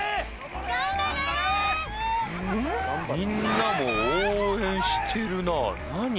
みんなも応援してるな何？